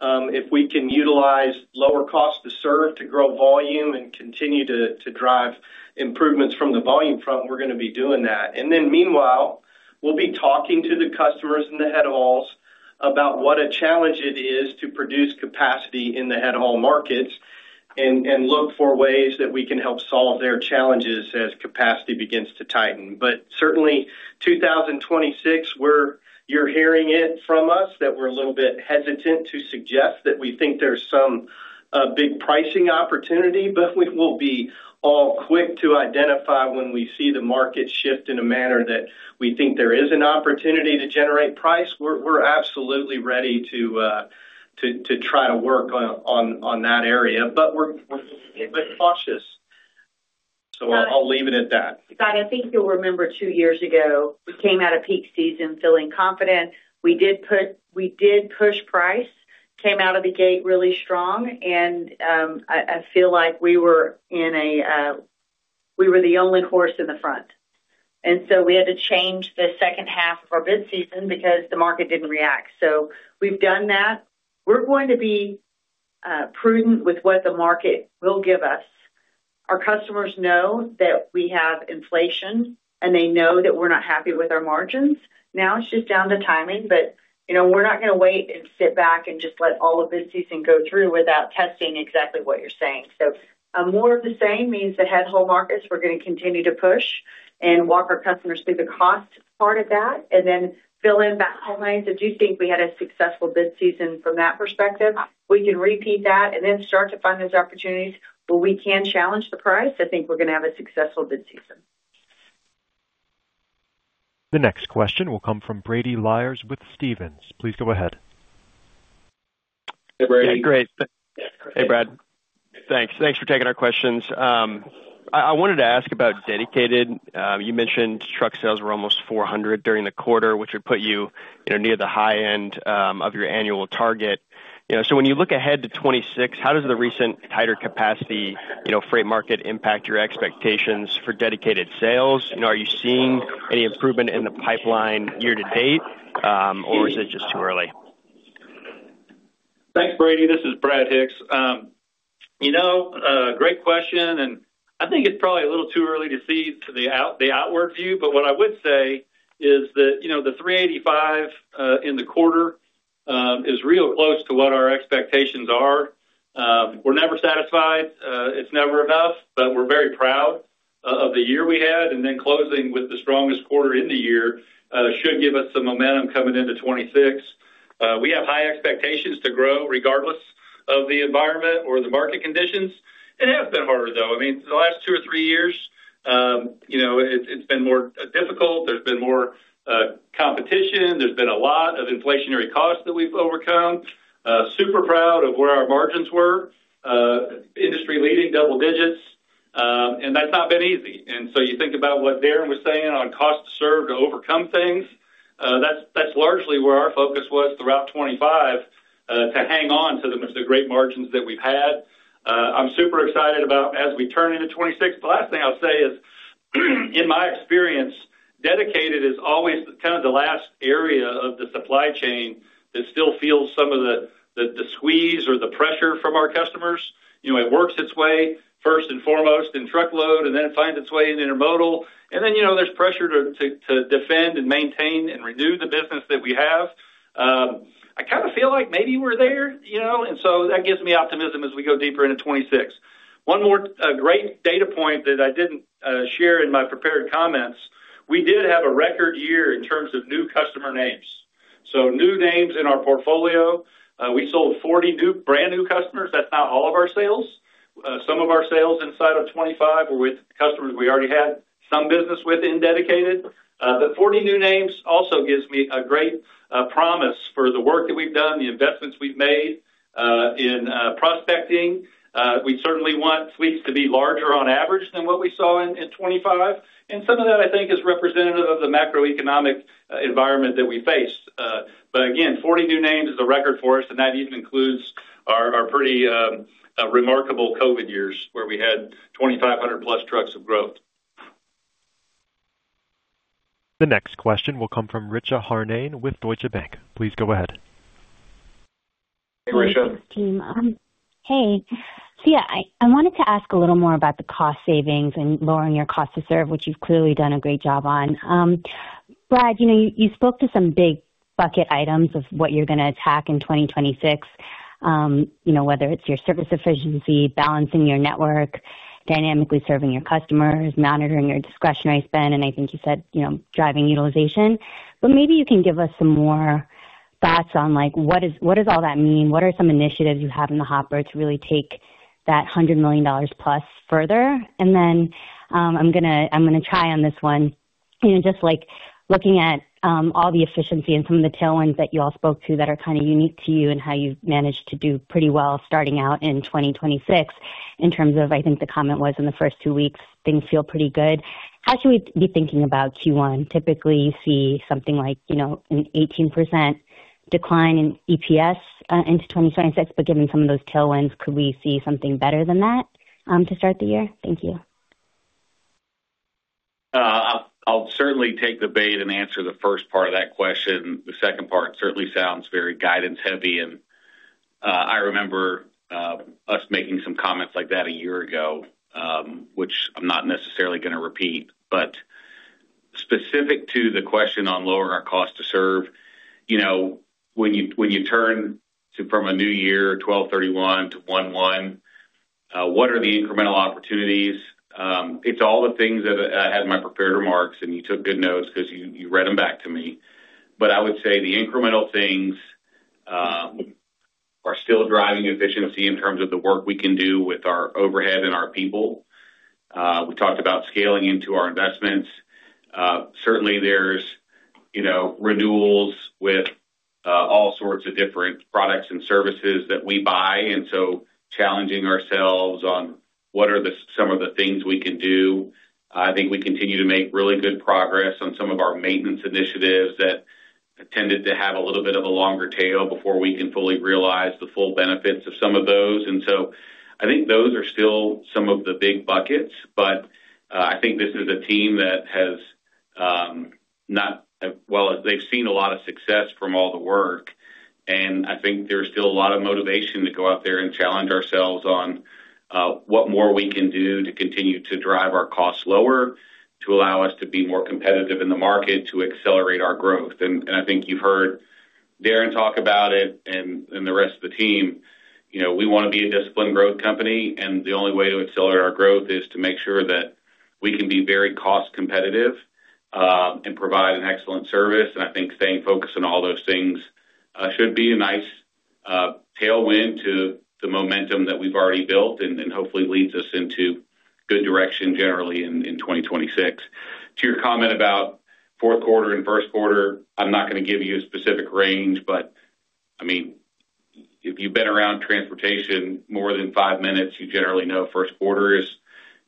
if we can utilize lower cost to serve to grow volume and continue to drive improvements from the volume front, we're going to be doing that. Then meanwhile, we'll be talking to the customers in the head hauls about what a challenge it is to produce capacity in the head haul markets and look for ways that we can help solve their challenges as capacity begins to tighten. But certainly, 2026, you're hearing it from us that we're a little bit hesitant to suggest that we think there's some big pricing opportunity, but we will be all quick to identify when we see the market shift in a manner that we think there is an opportunity to generate price. We're absolutely ready to try to work on that area. But we're cautious. So I'll leave it at that. Scott, I think you'll remember two years ago, we came out of peak season feeling confident. We did push price, came out of the gate really strong, and I feel like we were the only horse in the front, so we had to change the second half of our bid season because the market didn't react, so we've done that. We're going to be prudent with what the market will give us. Our customers know that we have inflation, and they know that we're not happy with our margins. Now it's just down to timing, but we're not going to wait and sit back and just let all of this season go through without testing exactly what you're saying. So more of the same means the head haul markets, we're going to continue to push and walk our customers through the cost part of that and then fill in backhaul lines. I do think we had a successful bid season from that perspective. We can repeat that and then start to find those opportunities where we can challenge the price. I think we're going to have a successful bid season. The next question will come from Brady Lyerla with Stephens. Please go ahead. Hey, Brady. Hey, Brad. Hey, Brad. Thanks. Thanks for taking our questions. I wanted to ask about dedicated. You mentioned truck sales were almost 400 during the quarter, which would put you near the high end of your annual target. So when you look ahead to 2026, how does the recent tighter capacity freight market impact your expectations for dedicated sales? Are you seeing any improvement in the pipeline year to date, or is it just too early? Thanks, Brady. This is Brad Hicks. Great question, and I think it's probably a little too early to see the outward view. But what I would say is that the 385 in the quarter is real close to what our expectations are. We're never satisfied. It's never enough, but we're very proud of the year we had, and then closing with the strongest quarter in the year should give us some momentum coming into 2026. We have high expectations to grow regardless of the environment or the market conditions. It has been harder, though. I mean, the last two or three years, it's been more difficult. There's been more competition. There's been a lot of inflationary costs that we've overcome. Super proud of where our margins were. Industry-leading double digits, and that's not been easy. And so you think about what Darren was saying on cost to serve to overcome things. That's largely where our focus was throughout 2025 to hang on to the great margins that we've had. I'm super excited about as we turn into 2026. The last thing I'll say is, in my experience, dedicated is always kind of the last area of the supply chain that still feels some of the squeeze or the pressure from our customers. It works its way first and foremost in truckload, and then it finds its way in Intermodal. And then there's pressure to defend and maintain and renew the business that we have. I kind of feel like maybe we're there. And so that gives me optimism as we go deeper into 2026. One more great data point that I didn't share in my prepared comments. We did have a record year in terms of new customer names, so new names in our portfolio. We sold 40 brand new customers. That's not all of our sales. Some of our sales inside of 2025 were with customers we already had some business with in dedicated. But 40 new names also gives me a great promise for the work that we've done, the investments we've made in prospecting. We certainly want fleets to be larger on average than what we saw in 2025, and some of that, I think, is representative of the macroeconomic environment that we faced. But again, 40 new names is a record for us, and that even includes our pretty remarkable COVID years where we had 2,500+ trucks of growth. The next question will come from Richa Harnain with Deutsche Bank. Please go ahead. Hey, Richa. Hey. I wanted to ask a little more about the cost savings and lowering your cost to serve, which you've clearly done a great job on. Brad, you spoke to some big bucket items of what you're going to attack in 2026, whether it's your service efficiency, balancing your network, dynamically serving your customers, monitoring your discretionary spend. And I think you said driving utilization. But maybe you can give us some more thoughts on what does all that mean? What are some initiatives you have in the hopper to really take that $100 million+ further? And then I'm going to try on this one. Just looking at all the efficiency and some of the tailwinds that you all spoke to that are kind of unique to you and how you've managed to do pretty well starting out in 2026 in terms of, I think the comment was in the first two weeks, things feel pretty good. How should we be thinking about Q1? Typically, you see something like an 18% decline in EPS into 2026. But given some of those tailwinds, could we see something better than that to start the year? Thank you. I'll certainly take the bait and answer the first part of that question. The second part certainly sounds very guidance-heavy, and I remember us making some comments like that a year ago, which I'm not necessarily going to repeat. But specific to the question on lowering our cost to serve, when you turn from a new year, 12/31 to 1/1, what are the incremental opportunities? It's all the things that I had in my prepared remarks, and you took good notes because you read them back to me. But I would say the incremental things are still driving efficiency in terms of the work we can do with our overhead and our people. We talked about scaling into our investments. Certainly, there's renewals with all sorts of different products and services that we buy, and so challenging ourselves on what are some of the things we can do. I think we continue to make really good progress on some of our maintenance initiatives that tended to have a little bit of a longer tail before we can fully realize the full benefits of some of those. And so I think those are still some of the big buckets. But I think this is a team that has not, well, they've seen a lot of success from all the work. And I think there's still a lot of motivation to go out there and challenge ourselves on what more we can do to continue to drive our costs lower to allow us to be more competitive in the market to accelerate our growth. And I think you've heard Darren talk about it and the rest of the team. We want to be a disciplined growth company. And the only way to accelerate our growth is to make sure that we can be very cost competitive and provide an excellent service. And I think staying focused on all those things should be a nice tailwind to the momentum that we've already built and hopefully leads us into good direction generally in 2026. To your comment about fourth quarter and first quarter, I'm not going to give you a specific range. But I mean, if you've been around transportation more than five minutes, you generally know first quarter is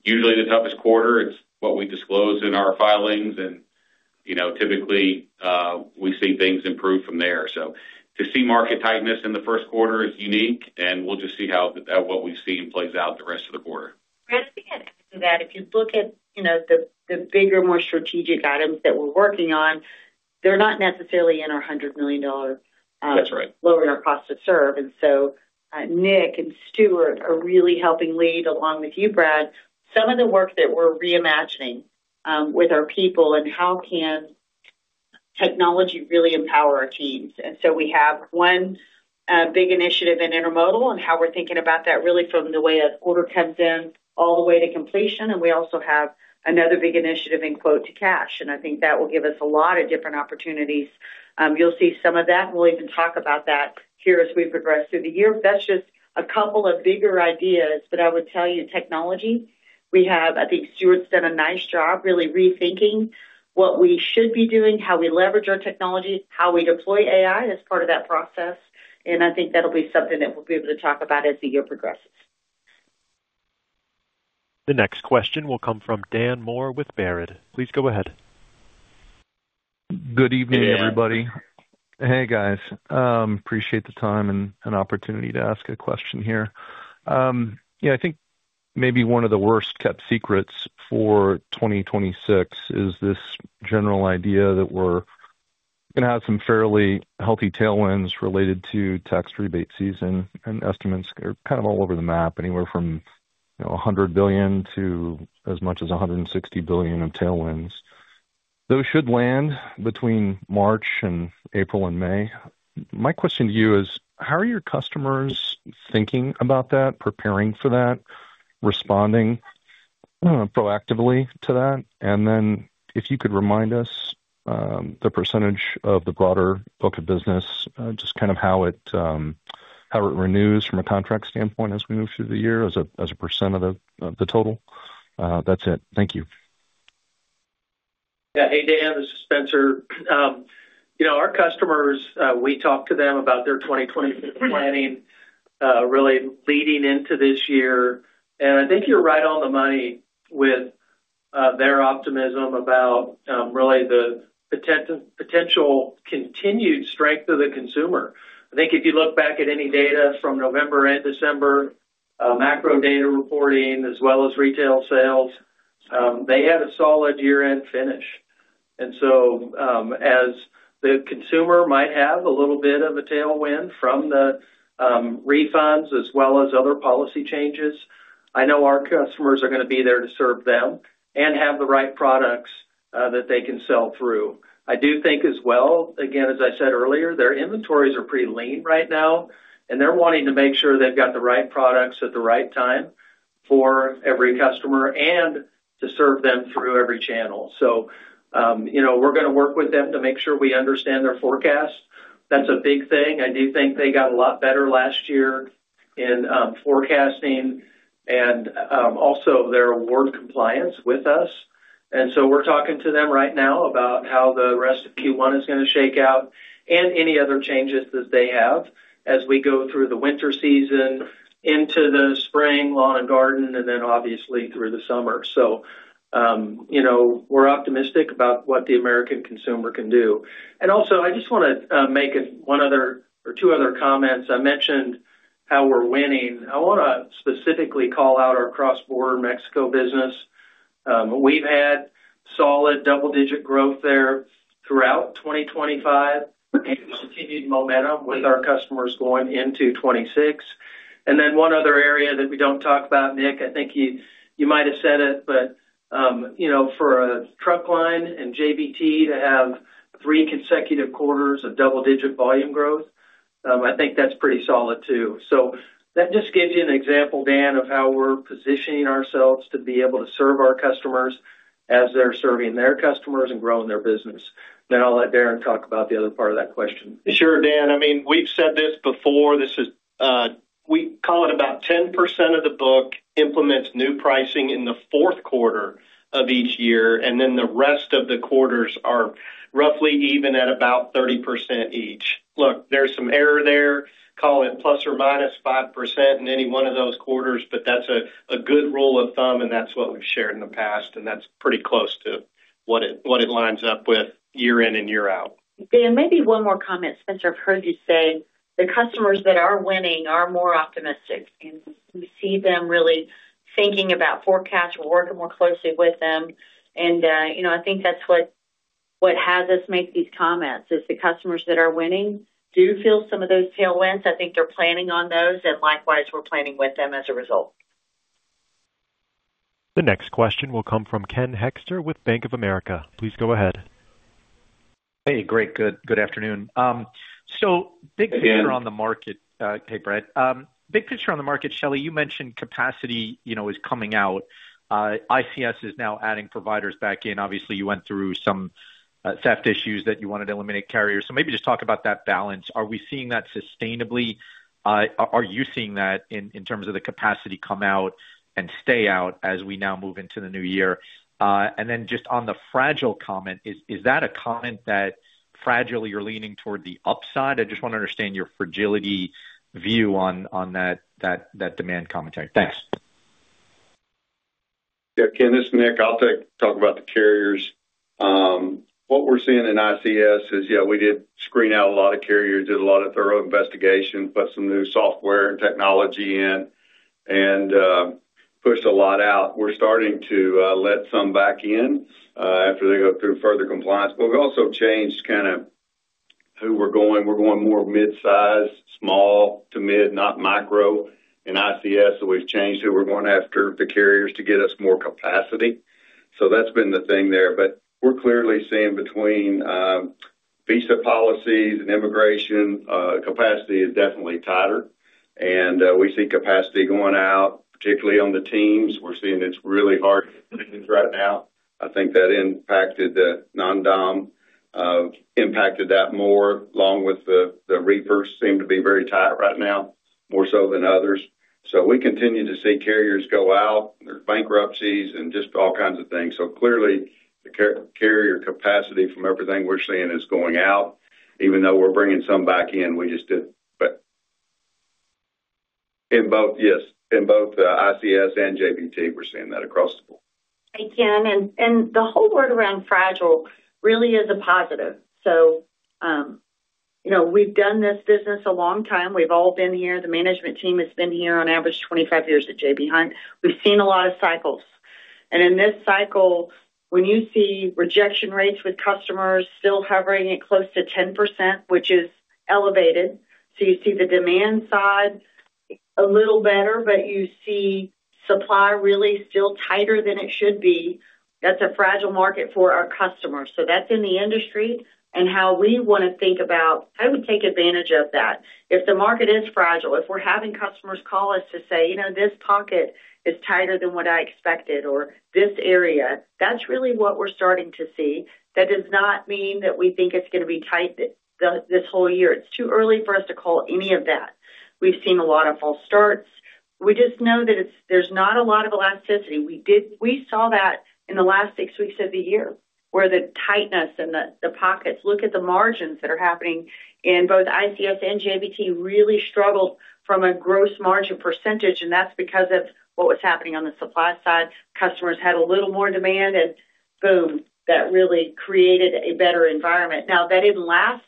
usually the toughest quarter. It's what we disclose in our filings. And typically, we see things improve from there. So to see market tightness in the first quarter is unique. And we'll just see how what we've seen plays out the rest of the quarter. Brad, I think I'd add to that. If you look at the bigger, more strategic items that we're working on, they're not necessarily in our $100 million lowering our cost to serve. And so Nick and Stuart are really helping lead along with you, Brad, some of the work that we're reimagining with our people and how can technology really empower our teams. And so we have one big initiative in Intermodal and how we're thinking about that really from the way a quarter comes in all the way to completion. And we also have another big initiative in quote to cash. And I think that will give us a lot of different opportunities. You'll see some of that. We'll even talk about that here as we progress through the year. But that's just a couple of bigger ideas. But I would tell you technology, we have, I think Stuart's done a nice job really rethinking what we should be doing, how we leverage our technology, how we deploy AI as part of that process. And I think that'll be something that we'll be able to talk about as the year progresses. The next question will come from Dan Moore with Baird. Please go ahead. Good evening, everybody. Hey, guys. Appreciate the time and opportunity to ask a question here. I think maybe one of the worst-kept secrets for 2026 is this general idea that we're going to have some fairly healthy tailwinds related to tax rebate season. And estimates are kind of all over the map, anywhere from $100 billion-$160 billion of tailwinds. Those should land between March and April and May. My question to you is, how are your customers thinking about that, preparing for that, responding proactively to that? And then if you could remind us the percentage of the broader book of business, just kind of how it renews from a contract standpoint as we move through the year as a % of the total. That's it. Thank you. Yeah. Hey, Dan, this is Spencer. Our customers, we talk to them about their 2025 planning really leading into this year, and I think you're right on the money with their optimism about really the potential continued strength of the consumer. I think if you look back at any data from November and December, macro data reporting, as well as retail sales, they had a solid year-end finish, and so as the consumer might have a little bit of a tailwind from the refunds as well as other policy changes, I know our customers are going to be there to serve them and have the right products that they can sell through. I do think as well, again, as I said earlier, their inventories are pretty lean right now. And they're wanting to make sure they've got the right products at the right time for every customer and to serve them through every channel. So we're going to work with them to make sure we understand their forecast. That's a big thing. I do think they got a lot better last year in forecasting and also their award compliance with us. And so we're talking to them right now about how the rest of Q1 is going to shake out and any other changes that they have as we go through the winter season into the spring, lawn, and garden, and then obviously through the summer. So we're optimistic about what the American consumer can do. And also, I just want to make one other or two other comments. I mentioned how we're winning. I want to specifically call out our cross-border Mexico business. We've had solid double-digit growth there throughout 2025 and continued momentum with our customers going into 2026. Then one other area that we don't talk about, Nick. I think you might have said it, but for a truck line and JBT to have three consecutive quarters of double-digit volume growth, I think that's pretty solid too. So that just gives you an example, Dan, of how we're positioning ourselves to be able to serve our customers as they're serving their customers and growing their business. Then I'll let Darren talk about the other part of that question. Sure, Dan. I mean, we've said this before. We call it about 10% of the book implements new pricing in the fourth quarter of each year. Then the rest of the quarters are roughly even at about 30% each. Look, there's some error there. Call it + or - 5% in any one of those quarters. But that's a good rule of thumb. And that's what we've shared in the past. And that's pretty close to what it lines up with year in and year out. Dan, maybe one more comment. Spencer, I've heard you say the customers that are winning are more optimistic, and we see them really thinking about forecasts. We're working more closely with them, and I think that's what has us make these comments is the customers that are winning do feel some of those tailwinds. I think they're planning on those, and likewise, we're planning with them as a result. The next question will come from Ken Hoexter with Bank of America. Please go ahead. Hey, great. Good afternoon. So big picture on the market. Hey, Brad. Big picture on the market, Shelley, you mentioned capacity is coming out. ICS is now adding providers back in. Obviously, you went through some theft issues that you wanted to eliminate carriers. So maybe just talk about that balance. Are we seeing that sustainably? Are you seeing that in terms of the capacity come out and stay out as we now move into the new year? And then just on the fragile comment, is that a comment that fragilely you're leaning toward the upside? I just want to understand your fragility view on that demand commentary. Thanks. Yeah. Ken, this is Nick. I'll talk about the carriers. What we're seeing in ICS is, yeah, we did screen out a lot of carriers, did a lot of thorough investigation, put some new software and technology in, and pushed a lot out. We're starting to let some back in after they go through further compliance. But we've also changed kind of who we're going. We're going more midsize, small to mid, not micro in ICS. So we've changed who we're going after the carriers to get us more capacity. So that's been the thing there. But we're clearly seeing between visa policies and immigration, capacity is definitely tighter. And we see capacity going out, particularly on the teams. We're seeing it's really hard to do things right now. I think that impacted the non-dom, impacted that more, along with the reefers seem to be very tight right now, more so than others. So we continue to see carriers go out. There's bankruptcies and just all kinds of things. So clearly, the carrier capacity from everything we're seeing is going out. Even though we're bringing some back in, we just did. But in both, yes, in both ICS and JBT, we're seeing that across the board. Hey, Ken. And the whole world around fragile really is a positive. So we've done this business a long time. We've all been here. The management team has been here on average 25 years at J.B. Hunt. We've seen a lot of cycles. And in this cycle, when you see rejection rates with customers still hovering at close to 10%, which is elevated, so you see the demand side a little better, but you see supply really still tighter than it should be, that's a fragile market for our customers. So that's in the industry and how we want to think about how do we take advantage of that. If the market is fragile, if we're having customers call us to say, "This pocket is tighter than what I expected," or "This area," that's really what we're starting to see. That does not mean that we think it's going to be tight this whole year. It's too early for us to call any of that. We've seen a lot of false starts. We just know that there's not a lot of elasticity. We saw that in the last six weeks of the year where the tightness in the pockets, look at the margins that are happening in both ICS and JBT, really struggled from a gross margin percentage. And that's because of what was happening on the supply side. Customers had a little more demand and boom, that really created a better environment. Now, that didn't last.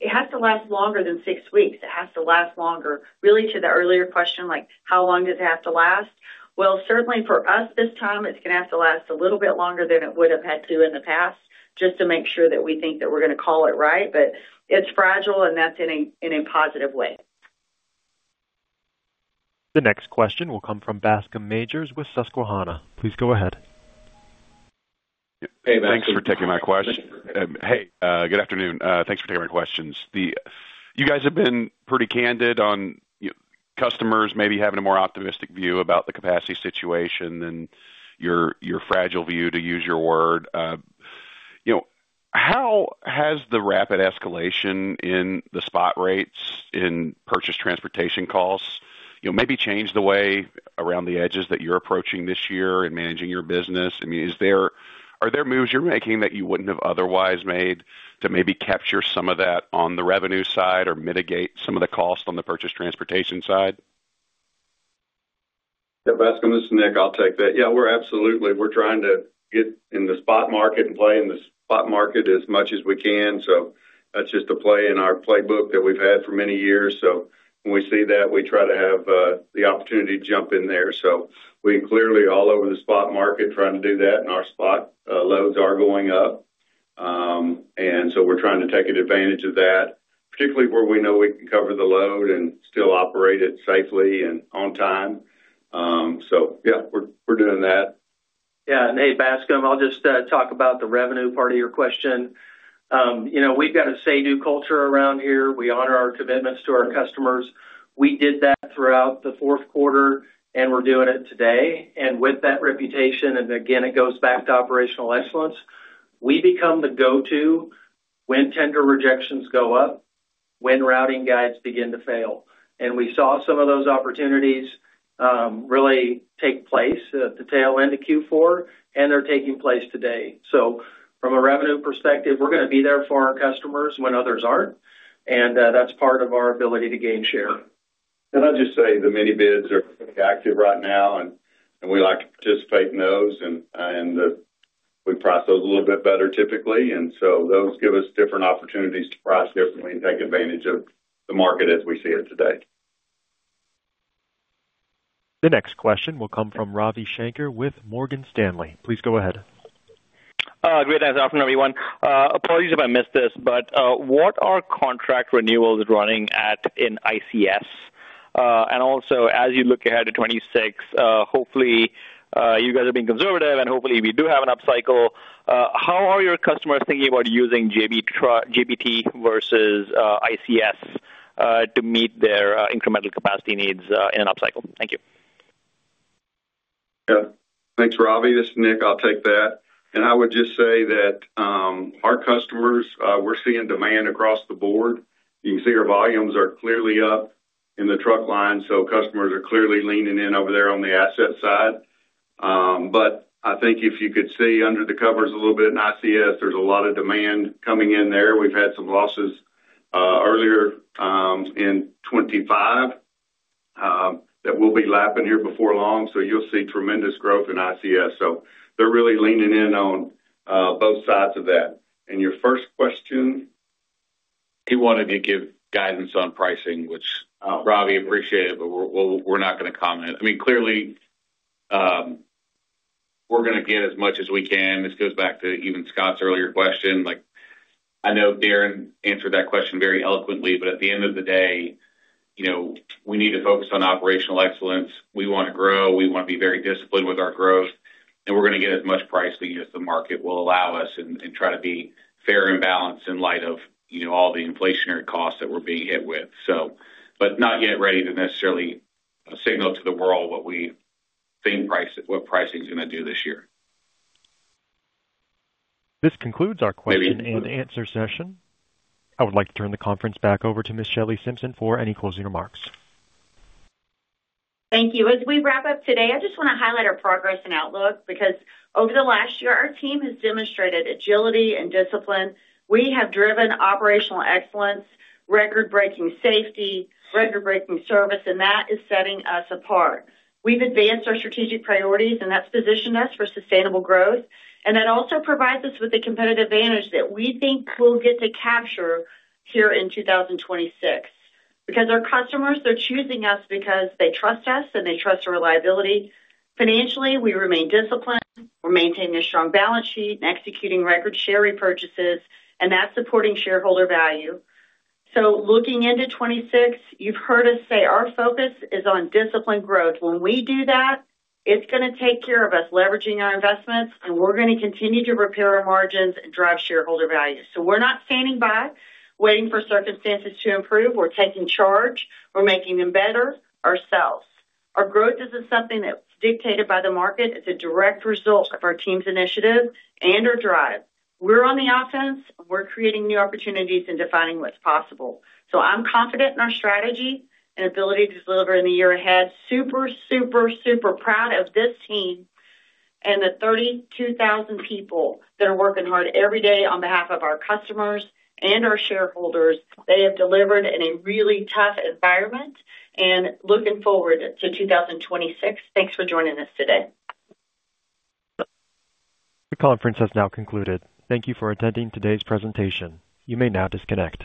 It has to last longer than six weeks. It has to last longer. Really to the earlier question, how long does it have to last? Certainly for us this time, it's going to have to last a little bit longer than it would have had to in the past just to make sure that we think that we're going to call it right. It's fragile, and that's in a positive way. The next question will come from Bascome Majors with Susquehanna. Please go ahead. Hey, thanks for taking my question. Hey, good afternoon. Thanks for taking my questions. You guys have been pretty candid on customers maybe having a more optimistic view about the capacity situation than your fragile view, to use your word. How has the rapid escalation in the spot rates in purchased transportation costs maybe changed the way around the edges that you're approaching this year in managing your business? I mean, are there moves you're making that you wouldn't have otherwise made to maybe capture some of that on the revenue side or mitigate some of that on the purchased transportation side? Yeah. Bascome, this is Nick. I'll take that. Yeah, we're absolutely. We're trying to get in the spot market and play in the spot market as much as we can. So that's just a play in our playbook that we've had for many years. So when we see that, we try to have the opportunity to jump in there. So we clearly, all over the spot market, trying to do that. And our spot loads are going up. And so we're trying to take advantage of that, particularly where we know we can cover the load and still operate it safely and on time. So yeah, we're doing that. Yeah. And hey, Bascome, I'll just talk about the revenue part of your question. We've got a say-do culture around here. We honor our commitments to our customers. We did that throughout the fourth quarter, and we're doing it today. And with that reputation, and again, it goes back to operational excellence, we become the go-to when tender rejections go up, when routing guides begin to fail. We saw some of those opportunities really take place at the tail end of Q4, and they're taking place today. From a revenue perspective, we're going to be there for our customers when others aren't. That's part of our ability to gain share. I'll just say the mini bids are pretty active right now. We like to participate in those. We price those a little bit better typically. Those give us different opportunities to price differently and take advantage of the market as we see it today. The next question will come from Ravi Shanker with Morgan Stanley. Please go ahead. Good afternoon, everyone. Apologies if I missed this, but what are contract renewals running at in ICS? And also, as you look ahead to 2026, hopefully, you guys are being conservative, and hopefully, we do have an upcycle. How are your customers thinking about using JBT versus ICS to meet their incremental capacity needs in an upcycle? Thank you. Yeah. Thanks, Ravi. This is Nick. I'll take that. And I would just say that our customers, we're seeing demand across the board. You can see our volumes are clearly up in the truck line. So customers are clearly leaning in over there on the asset side. But I think if you could see under the covers a little bit in ICS, there's a lot of demand coming in there. We've had some losses earlier in 2025 that we'll be lapping here before long. So you'll see tremendous growth in ICS. So they're really leaning in on both sides of that. And your first question? He wanted to give guidance on pricing. Which Ravi appreciated, but we're not going to comment. I mean, clearly, we're going to get as much as we can. This goes back to even Scott's earlier question. I know Darren answered that question very eloquently, but at the end of the day, we need to focus on operational excellence. We want to grow. We want to be very disciplined with our growth, and we're going to get as much pricing as the market will allow us and try to be fair and balanced in light of all the inflationary costs that we're being hit with, but not yet ready to necessarily signal to the world what we think what pricing is going to do this year. This concludes our question and answer session. I would like to turn the conference back over to Ms. Shelley Simpson for any closing remarks. Thank you. As we wrap up today, I just want to highlight our progress and outlook because over the last year, our team has demonstrated agility and discipline. We have driven operational excellence, record-breaking safety, record-breaking service, and that is setting us apart. We've advanced our strategic priorities, and that's positioned us for sustainable growth, and that also provides us with a competitive advantage that we think we'll get to capture here in 2026 because our customers, they're choosing us because they trust us and they trust our reliability. Financially, we remain disciplined. We're maintaining a strong balance sheet and executing record share repurchases, and that's supporting shareholder value, so looking into 2026, you've heard us say our focus is on disciplined growth. When we do that, it's going to take care of us leveraging our investments, and we're going to continue to repair our margins and drive shareholder value. So we're not standing by, waiting for circumstances to improve. We're taking charge. We're making them better ourselves. Our growth isn't something that's dictated by the market. It's a direct result of our team's initiative and our drive. We're on the offense. We're creating new opportunities and defining what's possible. So I'm confident in our strategy and ability to deliver in the year ahead. Super, super, super proud of this team and the 32,000 people that are working hard every day on behalf of our customers and our shareholders. They have delivered in a really tough environment and looking forward to 2026. Thanks for joining us today. The conference has now concluded. Thank you for attending today's presentation. You may now disconnect.